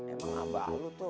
emang abah lu tuh